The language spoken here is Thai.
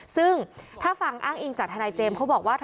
ซึ่งถ้าฟังอ้างอิงจากทนายเจมส์เขาบอกว่า